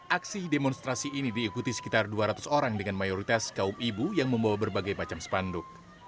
aksi demonstrasi ini diikuti sekitar dua ratus orang dengan mayoritas kaum ibu yang membawa berbagai macam spanduk